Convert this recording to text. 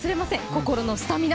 心のスタミナ。